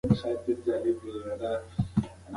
غذايي مواد د بدن ودې لپاره حیاتي دي.